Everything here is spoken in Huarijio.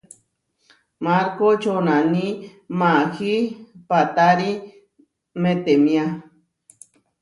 Markó čonaní maahí paatári metémia.